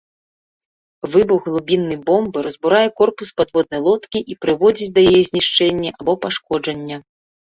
Выбух глыбіннай бомбы разбурае корпус падводнай лодкі і прыводзіць да яе знішчэння або пашкоджання.